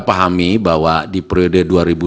pahami bahwa di periode dua ribu dua puluh